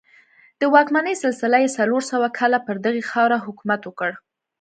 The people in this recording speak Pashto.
د واکمنۍ سلسله یې څلور سوه کاله پر دغې خاوره حکومت وکړ